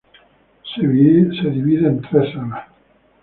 Se divide en tres salas.